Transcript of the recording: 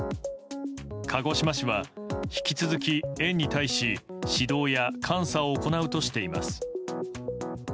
鹿児島市は引き続き、園に対し指導や監査を行うとしています。